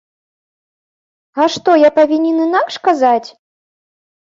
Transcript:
А што, я павінен інакш казаць?!